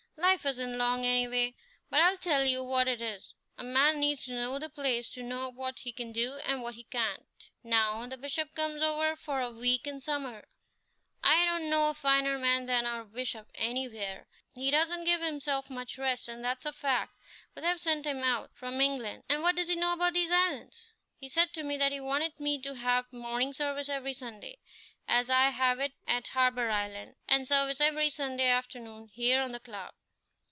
Life isn't long, any way, but I'll tell you what it is a man needs to know the place to know what he can do and what he can't. Now, the Bishop comes over for a week in summer I don't know a finer man than our Bishop anywhere; he doesn't give himself much rest, and that's a fact; but they've sent him out from England, and what does he know about these islands? He said to me that he wanted me to have morning service every Sunday, as I have it at Harbour Island, and service every Sunday afternoon here on The Cloud."